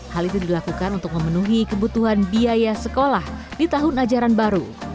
hal itu dilakukan untuk memenuhi kebutuhan biaya sekolah di tahun ajaran baru